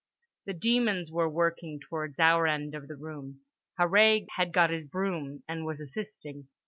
The demons were working towards our end of the room. Harree had got his broom and was assisting.